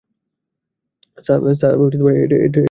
Sir, এটা ঠিক হচ্ছে না।